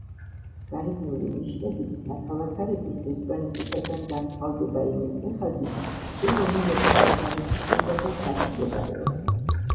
გარეგნული ნიშნებით ნაქალაქარები ერთმანეთისაგან განსხვავდება იმის მიხედვით, თუ რომელ ეპოქას განეკუთვნება და სად მდებარეობს.